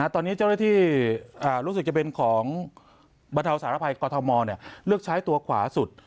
ตอนนี้เจ้าหน้าที่รู้สึกจะเป็นของบรรเทาสารภัยกรทมเลือกใช้ตัวขวาสุด